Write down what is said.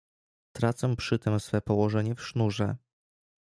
"Tracę przytem swe położenie w sznurze."